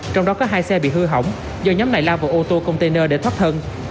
trong đó có hai xe bị hư hỏng do nhóm này lao vào ô tô container để thoát thân